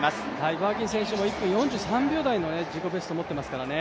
バーギン選手も１分４３秒台の自己ベストを持っていますからね。